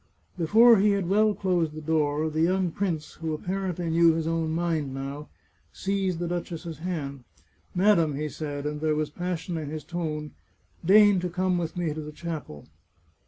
Before he had well closed the door the young prince, who apparently knew his own mind now, seized the duch ess's hand. " Madam," he said, and there was passion in his tone, " deign to come with me to the chapel."